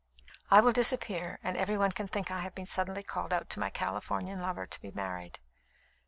I will disappear, and every one can think I have been suddenly called out to my Californian lover to be married."